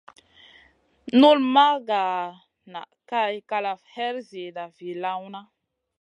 Nul ma nʼga nʼa Kay kalaf her ziida vii lawna.